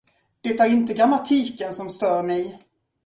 Det är inte grammatiken som stör mig.